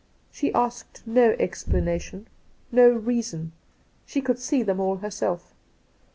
She asked no explanation — no reason — she could see them all herself.